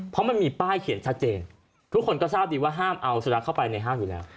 เพราะมันมีป้ายเขียนชัดเจนทุกคนก็ทราบดีว่าห้ามเอาสุนัขเข้าไปในห้างอยู่แล้ว